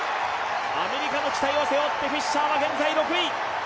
アメリカの期待を背負って、フィッシャーは現在６位。